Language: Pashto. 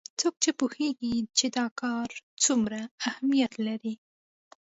څوک پوهیږي چې دا کار څومره اهمیت لري